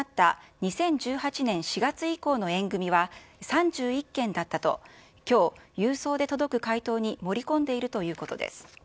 ２０１８年４月以降の縁組は３１件だったと、きょう、郵送で届く回答に盛り込んでいるということです。